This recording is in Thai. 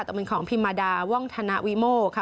แต่เป็นของพิมมาดาว่องธนวิโมค่ะ